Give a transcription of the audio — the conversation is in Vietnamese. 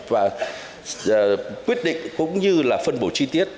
và quyết định cũng như là phân bổ chi tiết